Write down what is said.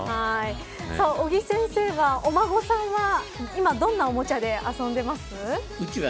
尾木先生は、お孫さんは今どんなおもちゃで遊んでいますか。